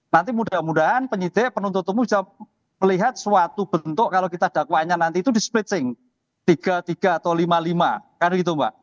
nanti mudah mudahan penyidik penuntut umum bisa melihat suatu bentuk kalau kita dakwanya nanti itu di splitching tiga puluh tiga atau lima puluh lima kan gitu mbak